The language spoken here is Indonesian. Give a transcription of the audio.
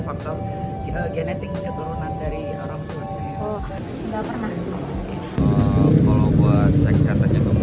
faktor genetik keturunan dari orang tua saya oh enggak pernah kalau buat cek kartonnya